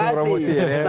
nah sekarang di pkb ya